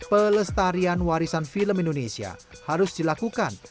pelestarian warisan film indonesia harus dilakukan